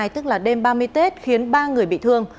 tức là đêm ba mươi tết khiến ba người bị thương